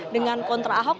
dengan kontra ahok